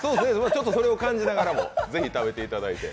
ちょっとそれを感じながらもぜひ食べていただいて。